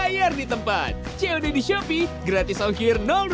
ayo belanja pakai cod di shopee sekarang